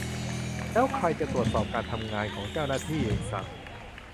แล้วใครจะตรวจสอบการทำงานของเจ้าหน้าที่ ? ไอ้สัส